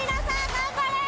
頑張れ！